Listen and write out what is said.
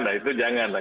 nah itu jangan lah